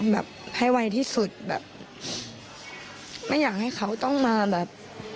แบบให้ไวที่สุดแบบไม่อยากให้เขาต้องมาแบบ